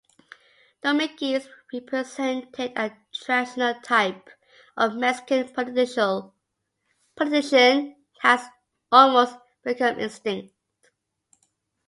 Dominguez represented a traditional type of Mexican politician that has almost become extinct.